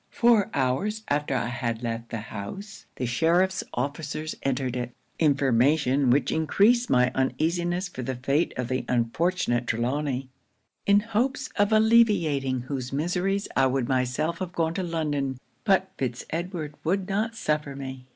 Four hours after I had left the house, the sheriff's officers entered it Information which encreased my uneasiness for the fate of the unfortunate Trelawny; in hopes of alleviating whose miseries I would myself have gone to London, but Fitz Edward would not suffer me.